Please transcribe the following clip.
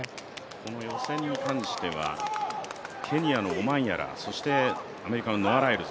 この予選に関しては、ケニアのオマンヤラ、そしてアメリカのノア・ライルズ